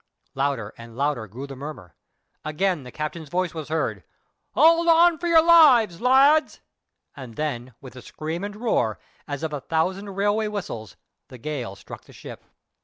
Louder and louder grew the murmur. Again the captain's voice was heard: "Hold on for your lives, lads!" and then with a scream and roar, as of a thousand railway whistles, the gale struck the ship.